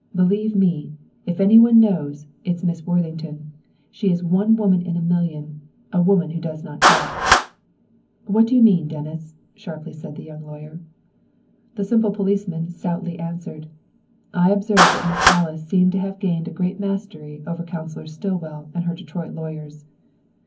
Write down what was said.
Believe me, if any one knows, it is Miss Worthington! She is one woman in a million, a woman who does not talk!" "What do you mean, Dennis?" sharply said the young lawyer. The simple policeman stoutly answered, "I observed that Miss Alice seemed to have gained a great mastery over Counselor Stillwell and her Detroit lawyers.